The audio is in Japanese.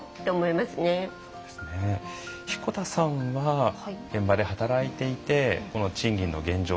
彦田さんは現場で働いていて賃金の現状